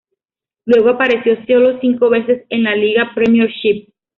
Luego apareció sólo cinco veces en la liga Premiership.